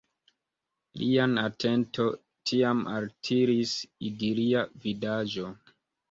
Lian atenton tiam altiris idilia vidaĵo.